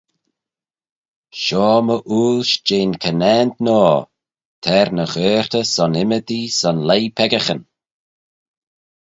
Shoh my 'uill's jeh'n conaant noa, t'er ny gheayrtey son ymmodee son leih peccaghyn.